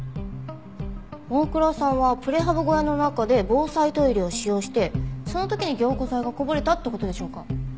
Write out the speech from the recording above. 大倉さんはプレハブ小屋の中で防災トイレを使用してその時に凝固剤がこぼれたって事でしょうか？